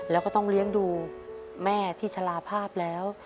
แล้วก็ต้องเลี้ยงดูแม่ที่ชะลาภาพแล้ว